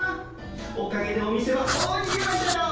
おかげでお店は大にぎわいだよ。